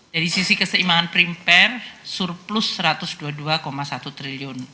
dari sisi keseimbangan primer surplus rp satu ratus dua puluh dua satu triliun